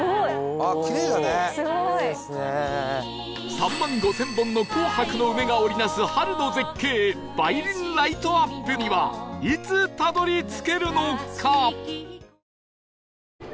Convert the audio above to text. ３万５０００本の紅白の梅が織り成す春の絶景梅林ライトアップにはいつたどり着けるのか？